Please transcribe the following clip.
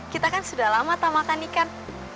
kita kan sudah lama makan ikan